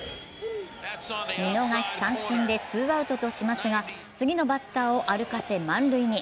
見逃し三振でツーアウトとしますが次のバッターを歩かせ満塁に。